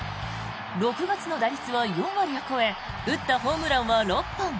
６月の打率は４割を超え打ったホームランは６本。